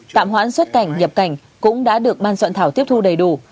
tạm hoãn xuất cảnh nhập cảnh cũng đã được ban soạn thảo tiếp thu đầy đủ